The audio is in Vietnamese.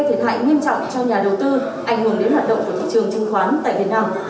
thiệt hại nghiêm trọng cho nhà đầu tư ảnh hưởng đến hoạt động của thị trường chứng khoán tại việt nam